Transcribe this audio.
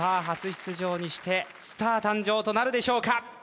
初出場にしてスター誕生となるでしょうか？